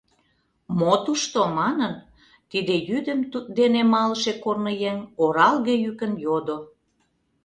— Мо тушто? — манын, тиде йӱдым туддене малыше корныеҥ оралге йӱкын йодо.